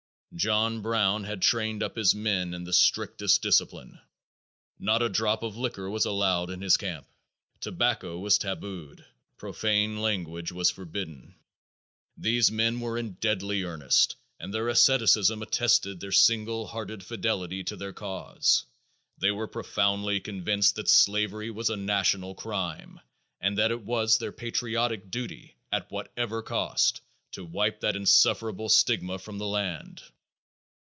John Brown had trained up his men in the strictest discipline. Not a drop of liquor was allowed in his camp. Tobacco was tabooed. Profane language was forbidden. These men were in deadly earnest and their asceticism attested their single hearted fidelity to their cause. They were profoundly convinced that slavery was a national crime and that it was their patriotic duty, at whatever cost, to wipe that insufferable stigma from the land.